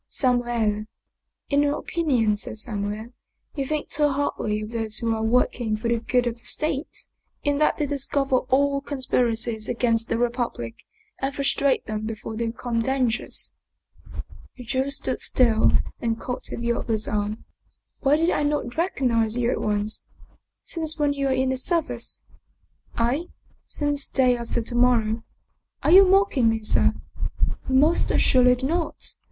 "" Samuele." " In my opinion, Ser Samuele, you think too hardly of those who are working for the good of the State, in that they discover all conspiracies against the Republic and frustrate them before they become dangerous." The Jew stood still and caught at the other's arm. 47 German Mystery Stories "Why did I not recognize you at once? Since when are you in the service ?"" I ? Since day after to morrow." " Are you mocking me, sir? "" Most assuredly not.